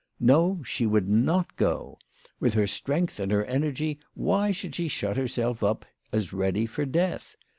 No, she would not go ! With her strength and her energy, why should she shut herself *up as ready for death